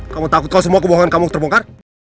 kamu takut kok semua kebohongan kamu terbongkar